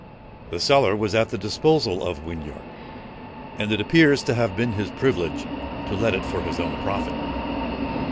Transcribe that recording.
The cellar was at the disposal of Whinyard: and it appears to have been his privilege to let it for his own profit.